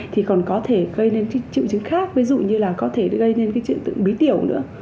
thì còn có thể gây nên triệu chứng khác ví dụ như là có thể gây nên cái triệu chứng bí tiểu nữa